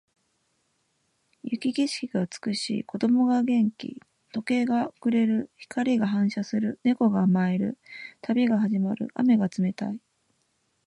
雪景色が美しい。子供が元気。時計が遅れる。光が反射する。猫が甘える。旅が始まる。雨が冷たい。